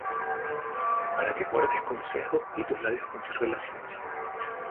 Para que guardes consejo, Y tus labios conserven la ciencia.